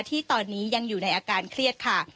ที่ตอนนี้ยังอยู่ในอาการเครียดค่ะ